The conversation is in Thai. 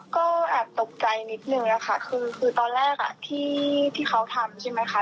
ก็แอบตกใจนิดนึงนะคะคือตอนแรกที่เขาทำใช่ไหมคะ